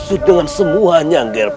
jadi jangan buat ngomong ngomong